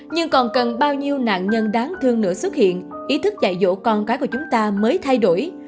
nhưng còn cần bao nhiêu nạn nhân đáng thương nữa xuất hiện ý thức dạy dỗ con cái của chúng ta mới thay đổi